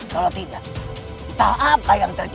kalau tidak tahu apa yang terjadi